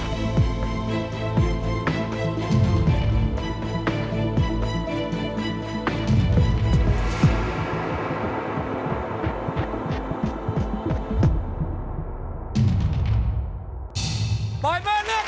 เฮ้ย